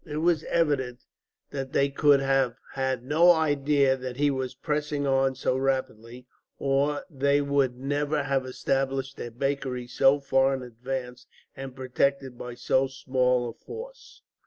It was evident that they could have had no idea that he was pressing on so rapidly, or they would never have established their bakery so far in advance, and protected by so small a force.